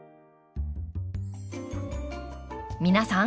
皆さん